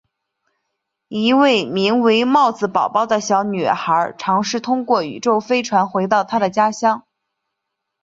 一位名为帽子宝宝的小女孩尝试通过宇宙飞船回到她的家乡。